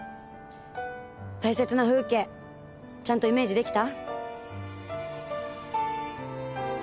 大切な風景ちゃんとイメージできた？